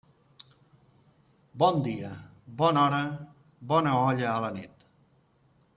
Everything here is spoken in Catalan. Bon dia, bona hora, bona olla a la nit.